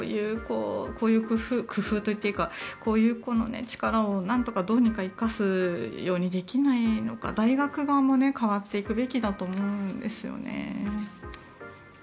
こういう工夫といっていいかこういう力をなんとかどうにか生かすようにできないのか大学側も変わっていくべきだと思うんですよね。